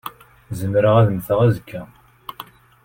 Zemreɣ ad mmteɣ azekka.